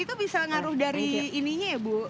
itu bisa ngaruh dari ininya ya bu